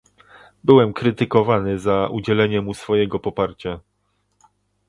Byłem krytykowany za udzielenie mu swojego poparcia